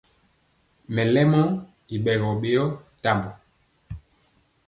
Mɛlɛmɔ i ɓɛgɔ ɓeyɔ tambɔ.